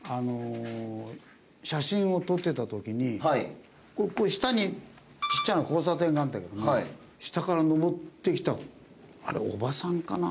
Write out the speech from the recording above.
写真を撮ってた時にここ下にちっちゃな交差点があるんだけども下から上ってきたあれおばさんかな？